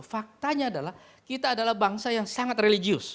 faktanya adalah kita adalah bangsa yang sangat religius